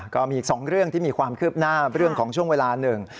ก็มีอีก๒เรื่องที่มีความคืบหน้าเรื่องของช่วงเวลาหนึ่ง